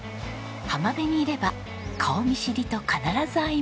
浜辺にいれば顔見知りと必ず会います。